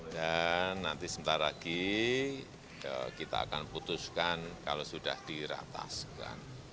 dan nanti sebentar lagi kita akan putuskan kalau sudah dirataskan